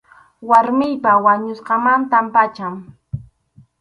Warmiypa wañusqanmanta pacham.